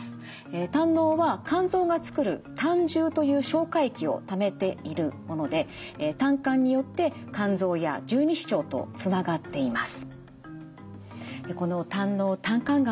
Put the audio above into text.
胆のうは肝臓がつくる胆汁という消化液をためているもので胆管によって肝臓や十二指腸とつながっています。